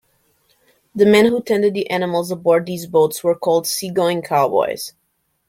The men who tended the animals aboard these boats were called seagoing cowboys.